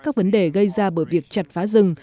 các vấn đề gây ra bởi việc chặt phá rừng